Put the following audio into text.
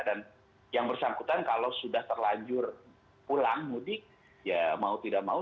dan yang bersangkutan kalau sudah terlanjur pulang mudik ya mau tidak mau